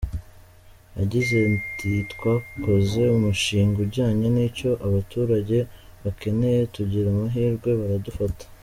Yagize ti “Twakoze umushinga ujyanye n’icyo abaturage bakeneye, tugira amahirwe baradufata.